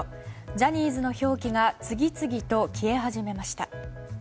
ジャニーズの表記が次々と消え始めました。